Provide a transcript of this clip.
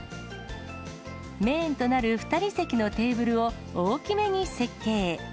メインとなる２人席のテーブルを大きめに設計。